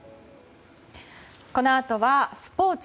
このあとはスポーツ。